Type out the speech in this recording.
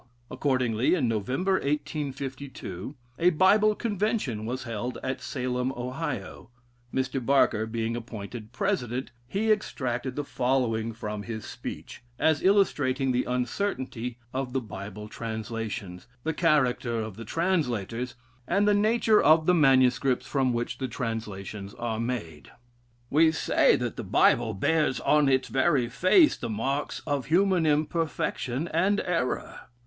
Accordingly, in November, 1852, a Bible Convention was held at Salem, Ohio, Mr. Barker being appointed President, he extract the following from his speech, as illustrating the uncertainty of the Bible translations, the character of the translators, and the nature of the manuscripts from which the translations are made: "We say, that the Bible bears on its very face the marks of human imperfection and error.